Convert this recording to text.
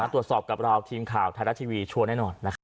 ตรวจสอบกับเราทีมข่าวไทยรัฐทีวีชัวร์แน่นอน